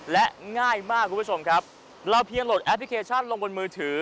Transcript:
และง่ายมากคุณผู้ชมครับเราเพียงโหลดแอปพลิเคชันลงบนมือถือ